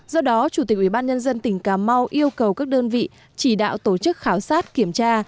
do đó chủ tịch ubnd tỉnh cà mau yêu cầu các đơn vị chỉ đạo tổ chức khảo sát kiểm tra